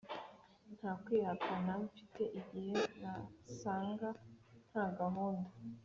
ntakwihangana mfite igihe nasanga ntagahunda .